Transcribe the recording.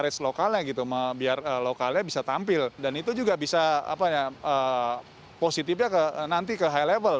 race lokalnya gitu biar lokalnya bisa tampil dan itu juga bisa positifnya nanti ke high level